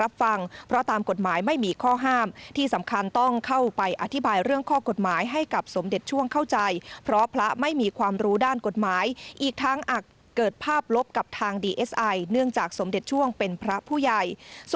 บัลไดการกำหนดประเด็นที่